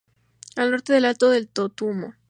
Al norte el Alto del Totumo.